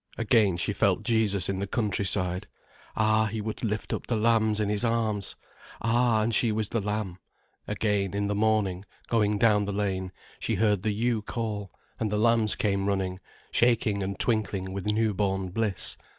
Again she felt Jesus in the countryside. Ah, he would lift up the lambs in his arms! Ah, and she was the lamb. Again, in the morning, going down the lane, she heard the ewe call, and the lambs came running, shaking and twinkling with new born bliss.